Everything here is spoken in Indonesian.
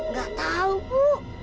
gak tau bu